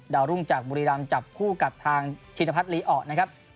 ดาวรุ่งจากบุรีรามจับคู่กับทางชินภัทรลีอ่อ